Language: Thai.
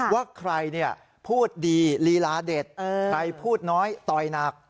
ว่าใครพูดดีลีลาเด็ดใครพูดน้อยต่อยหนัก